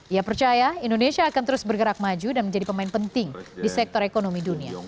ia percaya indonesia akan terus bergerak maju dan menjadi pemain penting di sektor ekonomi dunia